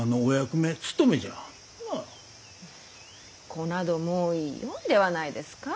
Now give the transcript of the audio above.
子などもうよいではないですか。